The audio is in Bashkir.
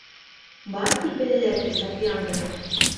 Бар тип беләләр ти Саяфыңды!